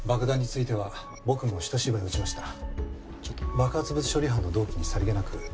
爆発物処理班の同期にさりげなく。